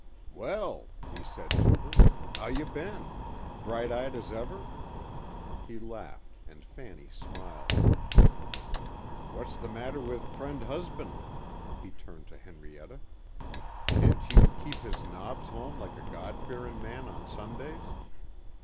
"Well," he said to her, "how you been? Bright eyed as ever." He laughed and Fanny smiled. "What's the matter with friend husband," he turned to Henrietta. "Can't you keep His Nobs home like a God fearing man on Sundays?"